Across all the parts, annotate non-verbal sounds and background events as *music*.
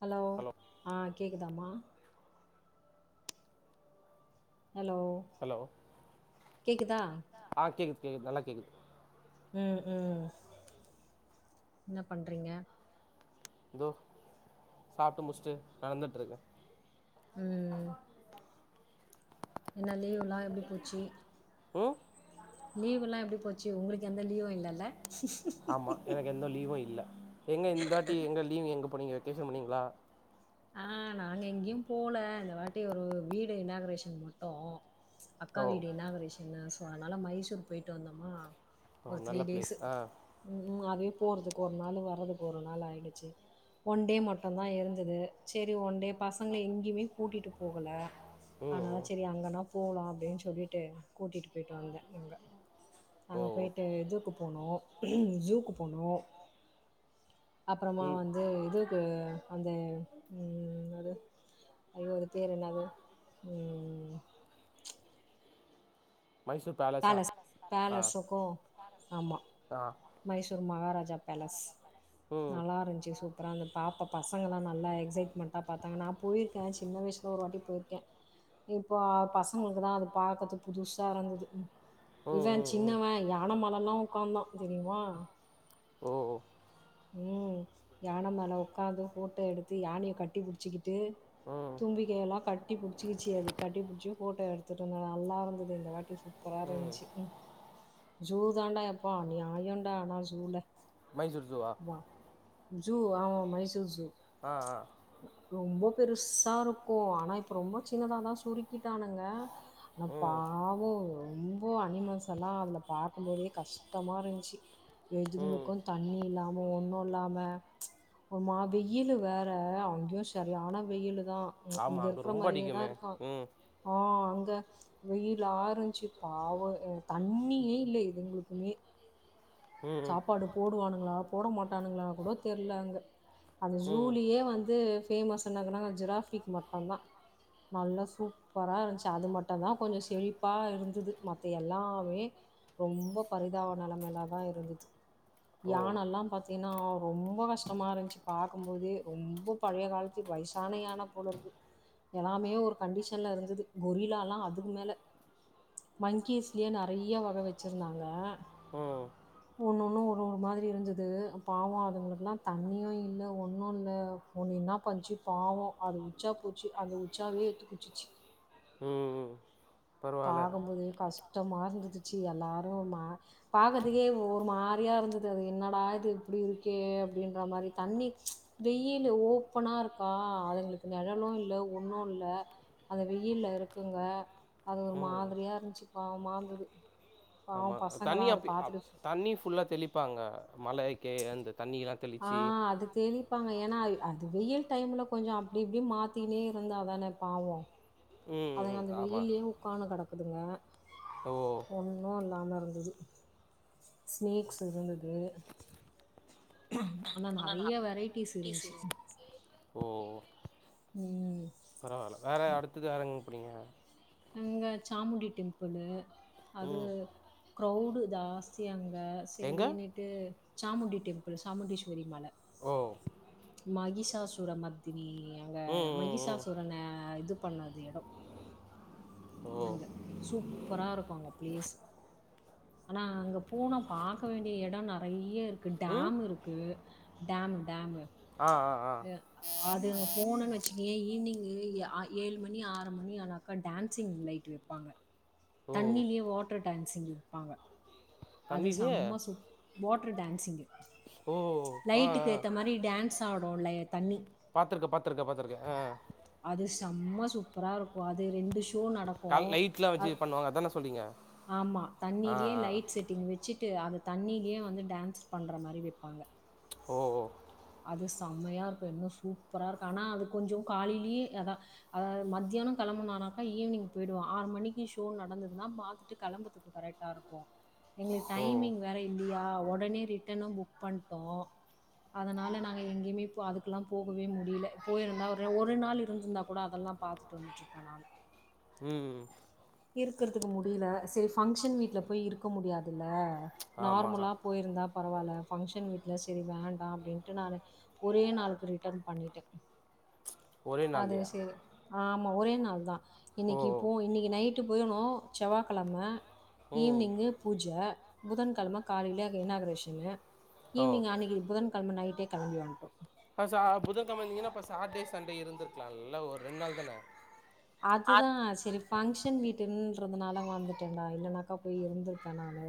Hello ஆ கேக்குதாமா hello hello கேக்குதா கேக்து நல்லா கேக்குது ம் ம் என்ன பண்றீங்க இதோ சாப்ட்டு முஸ்ட்டு நடந்துட்டுருக்கே ம் ம் ம் என்ன லீவுல்லா எப்டி போச்சி ஒ லீவுல்லா எப்டி போச்சி உங்களுக்கு எந்த லீவு இல்லல்ல ஆமா எனக்கு எந்த லீவு இல்ல எங்க இந்தாட்டி எங்க லீவ் எங்க போனீங்க வெக்கேஷன் போனீங்களா ஆ நாங்க எங்கேயு போல இந்த வாட்டி ஒரு வீடு இனாகரேஷன் மட்டு அக்கா ஓ வீடு இனாகரேஷன் அதனால மைஷுர் போயிட்டு வந்தோமா ஓ ஒரு த்ரீ நல்ல டேஸ் பிளேஸ் ஆ ம் ம் அதுவே போறது ஒரு நாள் வர்றதுக்கு ஒரு நாள் ஆயிடுச்சு ஒன் டே மட்டு தா இருந்துது செரி ஒன் டே பசங்கள எங்கயுமே கூட்டிட்டு போகல ம் அனாலா ம். செரி அங்கன்னா போலா அப்டின்னு சொல்லிட்டு கூட்டிட்டு போயிட்டு வந்தே அங்க ஓ அங்க போய்ட்டு இதுக்கு போனோ ஷுக்கு போனோ அப்பறமா ம் வந்து இதுக்கு ஆ அந்த ம் ம் ம் அது ஐயோ அது பேர் என்னது ம் ம் ம் மைசூர் பேலஸா பேலஸ் ஆ பேலஸ்ஸுக்கு ஆமா ஆ மைஷூர் மகாராஜ் ஜா பேலஸ் ம் நல்லாருந்துச்சு சூப் அப்ற அந்த பாப்பா பசங்கெல்லா நல்லா எக்ஸைட்மெண்ட்டா பாத்தாங்க நா போயிருக்கே சின்ன வயசுல ஒரு வாட்டி போய்ருக்கே இப் ப பசங்களுக்கு தா அது பாக்கதுக்கு புதுசா இருந்துது ம் இவன் ம் ம் சின்னவ யான மேலல்லா உக்காந்தா தெரியுமா ஓ ஓ. உம் யான மேல உக்காந்து போட்டோ எடுத்து யானயை கட்டி புடிச்சிக்கிட் டு ம் தும்பிக்கையல்லாம் கட்டிப் கட்டி புடிச்சிகிச்சி அது கட்டி புடிச்சியும் ஃபோட்டோ எடுத்துட்டு இருந்தோம் நல்லா இருந்துது இந்த வாட்டி ம் சூப்பராயிருஞ்சு உம் ஜூ தாண்டா எப்பா அநியாயோண்டா ஆனா ஜூல மைசூர் ஜுவா வா ஜூ ஆமா மைசூர் ஜூ ஆஹ் அஹ் ரொம்ப பெருசா இருக்கு ஆனா இப்பு ரொம்பா சின்னதாதா சுருக்கிட்டானுங்க ஆனா ம் பாவோ ரொம் போ அனிமல்ஸ் எல்லா அதுல பாக்கும் போதே கஷ்டமாரின்ச்சு ம் எதுங்களுக்கு தண்ணி இல்லாம ஒண்ணு இல்லாம ஒரு மா வெயிலு வேற அங்கே செரியான வெயிலு தா ங்க ஆமாம் இங்க அங்கே இருக்ற ரொம்ப மாரியேதா அடிக்குமே இருக்கா ம் ஆஹ் அங்க வெயிலாருன்ச்சு பாவு இது தண்ணியே இல்ல எதுங்குளுக்குமே ம் ம் சாப்பாடு போடுவானுங்களா போட மாட்டானுங்ளா கூட தெர்ல அங்க அது ம் ஜூலியே வந்து பேமஸ் பண்ணாங்கனா ஜிராஃபிக் மட்டுன்தா நல்ல சூப்பரா இருந்ச்சு அது மட்டுதா கொஞ்சு செழிப்பா இருந்துது மத்த எல்லாமே ரொம்போ பரிதாவ நெலமெல தா இருந்துச்சு ஓ யானல்லா பாத்தீன்னா ரொம் போ கஷ்டமாரின்ச்சு பாக்கும்போது ரொம்போ பழய காலத்து வயசான யான போலருக்கு எலாமே ஒரு கண்டிஷன்ல இருந்துது கொரிலாலா அதுக்கும் மேல மங்கீஸ்ல்யே நெறயா வக வெச்சிருந்தாங்க உம் ஒண்ணு ஒண்ணு ஒரு ஒரு மாதிரி இருந்துது பாவோ அதுங்களுக்குலா தண்ணியு இல்ல ஒண்ணுல்ல ஒண்ணு என்ன பன்ச்சு பாவோ அது உச்சா போச்சு அந்த உச்சாவே எட்த்து குட்ச்சிச்சு உம் உம் பாகும்போதே கஷ்டமா இருந்துது ச்சு எல்லாரு மா பாகதுக்கே ஒரு மாரியா இருந்தது அது என்னடா இது இப்டி இருக்கே அப்டின்ற மாரி தண்ணி வெயிலு ஓப்பனா இருக்கா அதுங்ளுக்கு நெழலு இல்ல ஒண்ணு இல்ல அது வெயில்ல இருக்குங்க அது ஒரு ம் மாதிரியா இருன்ச்சு பாவ்மா இருந்துது ஆமா தண்ணி அப்பி அப் தண்ணி ஃபுல்லா தெளிப்பாங்க மழைக்கே அந்த தண்ணிலா ஆஹ் அது தெளிப்பாங்க ஏனா அது வெயில் டைம்ல கொஞ்சோ அப்டி இப்டி மாத்திகினே இருந்தா தான பாவோ ம் அதுங்க ம் அந்த ஆமா வெயில்லேவு உக்கானு கெடக் அதுங்க ஓ ஒன்னு இல்லாம இருந்துது ஸ்னேக்ஸ் இருந்துது ஆனா நறையா வெரைட் டீஸ் இருந்துச்சு ஓ ம் பரவால்ல அடுத்தது அரங் அப்டியா அங்க சாமுண்டி டெம்புள்ளு அது ம் கிரௌடு ஜாஸ்தி அங்க எங்க சேரின்னுட்டு சாமுண்டி டெம்பிள் சாமுண்டீஸ்வரி மல ஓ மகிஷாசுர மத்தினி அங்க ம் ம் ம் மகிசாசுரன இது பண்ணது எடம் ஓ அங்க சூப்பரா இருக்கு அங்க பிளேஸ் ஆனா அங்கே போனா பாக்க வேண்டிய எடம் நெறைய இருக்கு ம் டேம் இருக்கு டேம் டேமு ஆ ஆ ஆ அது அங்க போணும்ன்னு வச்சிக்கைய ஈவினிங்க் ஏழு மணி ஆறு மணி ஆனா அப்ப டான்ஸ்சிங் லைட் வைப்பாங்க ஓ தண்ணிலேயே வாட்டர் டேங்க்ஸிங் வைப்பாங்க அது தண்ணிலயே செம்ம சூப் வாட்டர் டான்ஸ்சிங் ஓ லைட்டுக்கு ஏத்த மாரி டான்ஸ் ஆடு *unintelligible* பாத்துருக்கே பாத்துருக்கே பாத்துருக்கே ஆ ப்பரா இருக்கு அது ரெண்டு ஷீப் ட்டு நடக்கு கால் லைட்லாம் அ வச்சு பண்ணுவாங்க அதான சொல்றீங்க ஆமா ஆ தண்ணியிலயே ஆ லைட் செட் வச்சிட்டு அது தண்ணிலயே வந்து டான்ஸ் பண்ற மாரி வைப்பாங்க ஓ ஓ அது செம்மையா இருக்கும் இன்னும் சூப்பரா இருக்கும் ஆனா அது கொஞ்ச காலையிலயே அதா அதாவ மத்தியானம் கிளம்புனனாக்கா ஈவினிங் போயிடுவோம் ஆறு மணிக்கு ஷோ நடந்ததுன்னா பாத்துட்டு களம்புறதுக்கு கரெக்டா இருக்கும் எங்களுக்கு ஓ டைமிங் வேற இல்லியா ஒடனே ரிட்டனும் புக் பண்ட்டோ அதனால நாங்க எங்கையுமே இ அதுக்கெல்லா போ முடியல போயிருந்தா ஒரு ஒரு நாள் இருந்திருந்தா கூட அதெல்லா பாத்துட்டு வந்துட்டு இருப்பே நானு ம் இருக்கறதுக்கு முடியல சேரி ஃபங்க்ஷன் வீட்ல போய் இருக்க முடியாதுல்ல ஆமாம் நார்மலா போயிருந்தா பரவால்ல ஃப்ங்க்ஷன் வீட்ல சேரி வேண்டா அப்டின்ட்டு நானு ஒரே நாளுக்கு ரிட்டர்ன் பண்ணிட்டே ஒரே அது நாள்லையா சரி ஆமா ஒரே நாள் தா ஓ இன்னைக்கி இப்போ இன்னைக் நை ட்டு போயனோ செவ்வாகிழம ம் ஈவினிங் பூஜ புதன்கழம காலைல இனாக்ரேஷனு ஓ ஈவினிங் அன்னைக்கு புதன்கழம நைட்டே களம்பி வந்துட்டோம் அசா புதன்கழம இருந்தீங்கன்னா அப்ப சாட்டர்டே சண்டே இருந்திருக்கலாம் இல்ல ஒரு ரெண்டு நாள் தானே அதுதா சேரி ஃப்ங்க்ஷன் வீட் ட்டுன்றதுனால வந்துட்டேங்கா இல்லைன்னாக்கா போய் இருந்திருப்பே நானு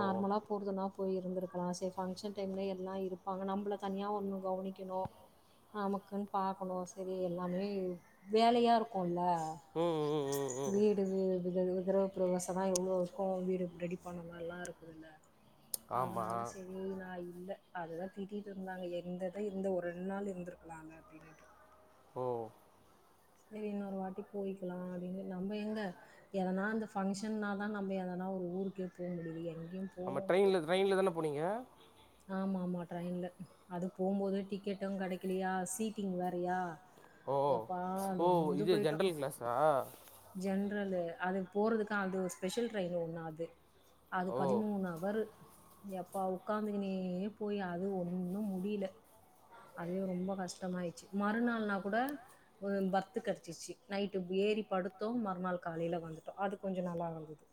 ஓ போறதுன்னா போய் இருந்துருக்கலா சேர் ஃபங்க்ஷன் டைம்ல எல்லா இருப்பாங்க நம்ப்ள தனியா ஒன்று கவுனிக்கணு அமக்குன் பாக்குணு செரி எல்லாமே வேலையாருக் கொல்ல ம் ம் ம் ம் வீடு விதவு விதுர்வ ப்ரவேசன்னா எவ்ளோ இர்க்கு வீடு ரெடிவ் பண்ண நல்லா இருக்குது இல்ல அதனால ஆமாம் செரி நாயி இல்ல அதுதா திட்டீட் இர்ந்தாங்க எந்தத இர்ந்த ஒர் ரென் நாள் இர்ந்துருக்குலால்ல அப்டின்னுட்டு ஓ நீ இன்னொரு வாட்டி போயிக்கிலா அப்டின்னு நம்ப எங்க எதனா அந்த ஃபங்க்ஷன்னாதா நம்ப எதனா ஒரு ஊருக்கே போ முடிது எங்யுப் அம்ம ட்ரயின்ல ட்ரயின்ல தான போனீங்க ஆமா ஆமா ட்ரயின்ல அது போம்போது டிக்கெட்டு கெடக்கிலியா சீட்டிங் வேறயா ஓ எப்பா ஓ நொந்து இது பொயிட்டோ ஜென்ரல் கிளாஸா ஜன் ட்ரல்லு அது போறதுக்கு அது ஒரு ஸ்பெஷல் ட்ரயின் ஒன்னா அது அது ஓ பதிமூணு அவரு யப்பா உக்காந்தே துனே போய் அது ஒன்னும் முடியில அதுவே ரொம்ப கஷ்டமாயிச்சு மறுநாள்னா கூட ஒரு பர்த் கடச்சிச்சி நைட்டு ப் ஏறி படுத்தோ மறுநாள் காலைல வந்துட்டோ அது கொஞ்சோ நல்லா இருந்துது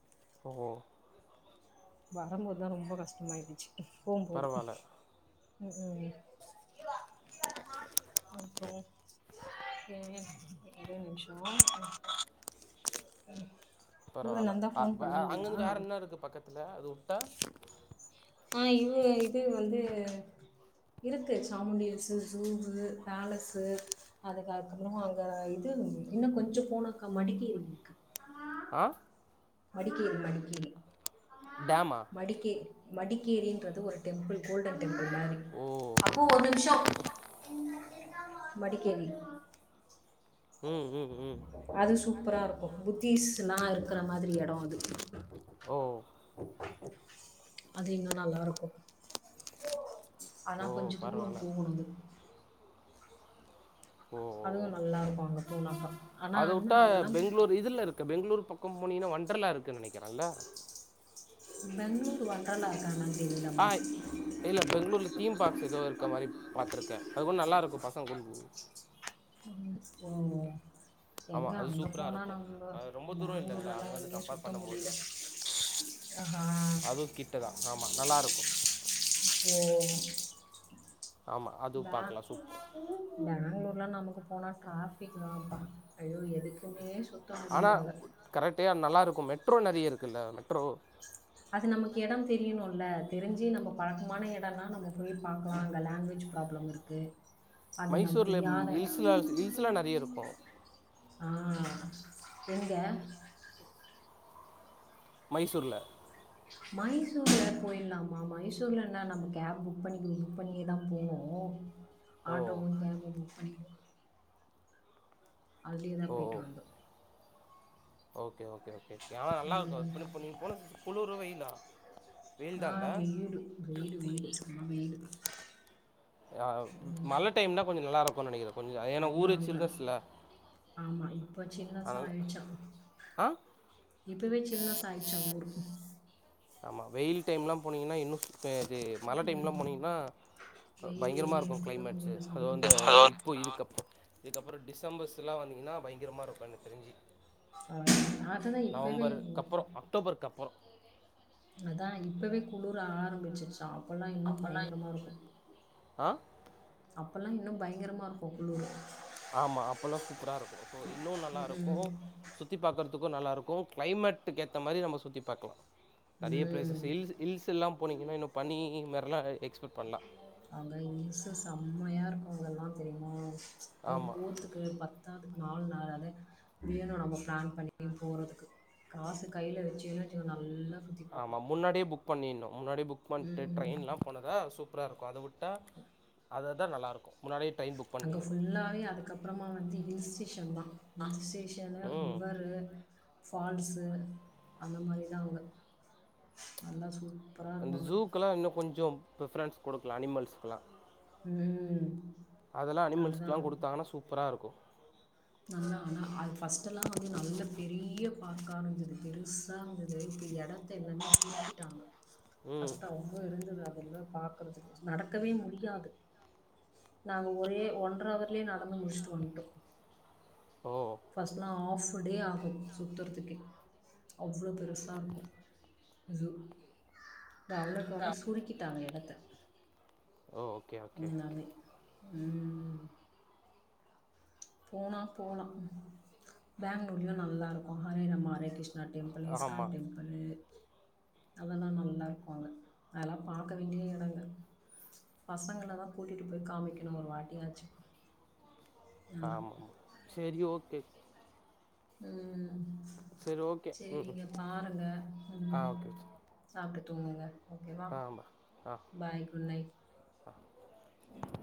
ஓ வரம்போத்தா ரொம்ப கஷ்டமாயிடுச்சி போம்போது பரவாயில்ல ம் ம் அப்போ ஏ ஏ ஏ ஒரே நிம்சோ இவுரு பரவாயில்ல நந்தா ஃபோன் பண்ணீங்ளா லே அது உட்டா ஆ இவ இது வந்து இருக்கு சாமுண்டியஸ்ஸு ஜூவு பேலசு அதுக்கப்புறோ அங்க இது இன்னு கொஞ்சோ போனாக்கா மடிகேரி இருக்கு ஆ மடிக்கேரி மடிக்கேரி டேமா மடிக்கே மடிக்கேரின்றது ஒரு டெம்பிள் கோல்டன் டெம்பிள் மாரி ஓ அப்பு ஒரு நிம்ஷோ மடிக்கேரி ம் ம் ம் அது சூப்பரா இருக்கூ புத்திஸ்ல்லா இருக்குற ந் மாதிரி எடோ அது ஓ அது இன்னு நல்லா இருக்கு ஆனா ஓ கொஞ்ச தூரோ பரவால்ல. போகணு அது ஓ ஓ அதுவு ஓ. நல்லா இருக்கு அங்க போனாக்கா அத ஆனால் வுட்டா இன்னும் அங்கெல்லாம் பெங்ளூர் இதுல இருக்கு பெங்ளூருக் பக்கம் போனிங்கன்னா வண்டர்லா இருக்கு நெனைக்கிறல்ல பெங்ளூர் வன்டர்லா இருக்கா என்னங் ஆய் இல்ல பெங்ளூர்ல தீம் பார்க்ஸ் ஏதோ இருக்க மாரி பாத்துருக்கே அது கூட் நல்லா இருக் க்கு பசங் கூட்னு போ தம்மு போவோ ஆமா, எங்க அது அங்க சூப்பரா போனா இருக்கும். நம்ப அது ரொம்ப தூரம் இல்லல்ல பேங்ளூர்லல்லா அங்கருந்து எங்யு கம்பேர் சுத்த பண்ணும்போது. முடில ஹ ஹா அதுவும் கிட்ட தான். ஆமா, நல்லாருக்கும். ஓ ஆமா, அதுவும் பே பாக்கலாம் சூப் பேங்ளூ உள்ள நமுக்கு போனா ட்ராஃபிக் தாம்ப்பா ஐயோ எதுக்குமே சுத்த ஆனா முடியல அங்க உட் கரக்டயா நல்லாருக்கு மெட் ட்ரோ நெறய இருக்குல்ல மெட்ரோ அது நமக்கு இடம் தெரியணுல்ல தெரிஞ்சி நம்ம பழக்கமான இடன்னா நம்ம போய் பாக்கலா அங்க லாங்வேஜ் ப்ராப்ளம் இருக்கு அது நமக்கு மைசூர்ல தெரியாத இடம் ஹில்ஸ்ல ஹில்ஸ்லாம் நெறைய இருக்கும். ஆ எங்க மைசூர்ல மைசூர்ல போயிடலாமா மைசூர் லா நம்ம கேப் புக் பண்ணி புக் பண்ணியேதா போவோம் ஓ. ஆட்டோவு கேபுவு *unintelligible* அதுலியதா ஓ போயிட்டு ஓ. வந்தோம் ஓகே ஓகே ஓகே ஆனா நல்லா இருக்கு ம் இப் இப்ப நீ போனது குளிரா வெயிலா வெயில் ஆ தான் இல்ல வீடு வெயிலு வெயிலு சமா வெயிலு ஆ மழ டைம்னா கொஞ்சோ நல்லா இருக் போ நினைகிற கொஞ்சோ ஏன்னா ஐயோ ஊரே அங்க சில்னஸ்ல்ல ஆமா இப்ப சில்னஸ் ஆயிடுச்சா இப்பவே சில்னஸ்சா ஆயிடுச்சா ஊரு ஆமா வெயில் டைம்லா போனீங்கன்னா இன்னும் சூ பெ இது மழ ம் டைம்லா போனீங்கன்னா வெயில் பயங்கரமா எல்லாம் இருக்கு இருக்கவே கிளைமேட்ஸ் முடியல அது செம்ம வந்து வெயில் ஹலோ இப்போ இதுக்கப்பற இதுக்கப்புறோ டிசம்பர்ஸல்லா வந்தீங்கன்னா பயங்கரமா இருக்கு எனக்கு தெரிஞ்சு அதுதா *unintelligible* இப்பவே நவம்பருக்கு அப்புறோ அக்டோபருக்கு அப்புறோ அதான் இப்பவே குளர ஆரம்பிச்சுச்சு அப்பல்லா இன்னு பயங்கரமா இருக்கு ஆ அப்பல்லா இன்னு பயங்கரமா இருக்கும் குளுரு ஆமா அப்பல்லா சூப்பரா இருக்கு சோ இன்னு நல்லா இருக்கு ம் சுத்தி பாக் க்கும் நல்லா இருக்கு கிளைமேட்க்கு ஏத்த மாரி நம்ம சுத்தி பார்க்கலா நெறைய பிளேசஸ் ம் ஹில்ஸ் ஹில்ஸ் எல்லாம் போனீங்கன்னா இன்னு பனி மாரில்லா எக்ஸ்பெக்ட் பண்ணலா உம்மையா இருக்கு அங்கெல்லா தெரியுமா இப்ப ஆமா போரதுக்கு பத்தாது நாலு நாள் அத இப்பையு நம்ம பிளான் பண்ணி போறதுக்கு காசு கையில் வச்சிங்கனு வச்சுங்க நல்லா சுத்தி ஆமா பார்க்கலாம். முன்னாடியே புக் பண்ணிரணும் முன்னாடி புக் பண்ணிட்டு ம். ட்ரெயின்லா போனாதா சூப் புரா இருக்கும் அத வுட் உட்டா அதத் தா நல்லா இருக்கு அங்க ஃபுல்லாவே அதுக்கப்பறமா வந்து ஹில்ஸ்டே ஷம்மா இந்த ஸ்டேஷல ம் லிவர்ரு ஃபால்ஸு அந்த மாதிரி தா அவங்க நல்லா சூப் அந்த ஜூக்கெல்லா இன்னு கொஞ்சோம் ப்ரிஃபரன்ஸ் குடுக்கலா அனிமல்ஸ்க்குல்லா உஹம் அதெல்லா அனிமல்ஸ்க்கெல்லா குடுத்தாங்கன்னா சூப்பரா இருக்கு நல்லா ஆனா அது ஃபர்ஸ்ட்டு எல்லா வந்து நல்ல பெரிய பார்க்கா இருந்தது பெருசா இருந்தது இப்ப எடத்த எல்லாமே *unintelligible* டிட்டாங்க ம் ஃபஸ்ட்டா ஒம்போது இருந்தது அ அதல்லா பாக்குறது நடக்கவே முடியாது நாங்க ஒரே ஒன்ற அவர்லயே நடந்து முடிச்சுட்டு வந்துட்டோ ஓ ப்டே ஆகு சுத்துறதுக்கு அவ்ளோ பெருசா இருக்கு ஜூ த அவ்வளோக்கு அவ்வளோ சுருக்கிட்டாங்க எடத்த ஓ ஓகே ஓகே உஹ்ம் போனா போல பாங்க்ளூர்லயு நல்லா இருக்கு Hare Rama Hare Krishna temple ISKCON ஆமா டெம்பளு அதெல்லா நல்லா இருக்கு அங்க அதெல்லா பாக்க வேண்டிய எடங்க பசங்கள தா கூட்டிட்டு போய் காமிக்கணு ஒரு வாட்டியாச்சு எல்லாம். ஆமாமா செரி ஓகே உம் ம் சரி ஓகே செரி ம் நீங்க பாருங்க ஆ ம் ஓகே சாப்பிட் தூங்குங்க ஓகேவா ஆ ஆமாம் ஆ பாய் குட் நைட் *unintelligible*